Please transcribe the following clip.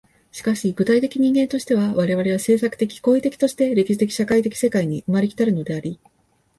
しかし具体的人間としては、我々は制作的・行為的として歴史的・社会的世界に生まれ来たるのであり、